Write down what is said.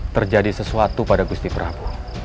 terjadi sesuatu pada gusti prabowo